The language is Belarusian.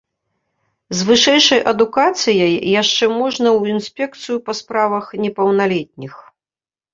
З вышэйшай адукацыяй яшчэ можна ў інспекцыю па справах непаўналетніх.